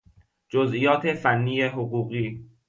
جزئیات فنی حقوقی